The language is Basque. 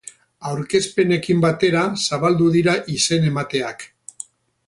Aurkezpenekin batera zabaldu dira izen-emateak.